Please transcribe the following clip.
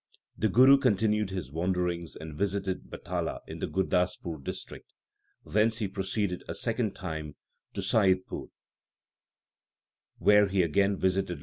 2 The Guru continued his wanderings and visited Batala in the Gurdaspur District. Thence he pro ceeded a second time to Saiyidpur, where he again visited Lalo.